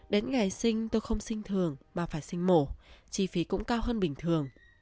đến ngày sinh tôi không sinh thường mà phải sinh mổ chi phí cũng cao hơn bình thường